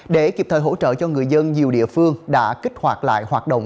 để kịp thời hỗ trợ cho người dân nhiều địa phương đã kích hoạt lại hoạt động